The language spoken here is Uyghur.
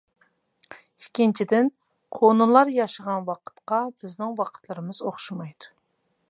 ئىككىنچىدىن، كونىلار ياشىغان ۋاقىتقا بىزنىڭ ۋاقىتلىرىمىز ئوخشىمايدۇ.